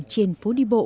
trên phố đi bộ